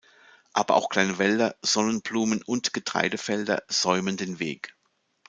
Aber auch kleine Wälder, Sonnenblumen- und Getreidefelder säumen den Weg.